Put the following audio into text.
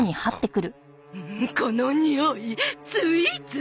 このにおいスイーツ？